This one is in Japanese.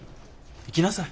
行きなさい。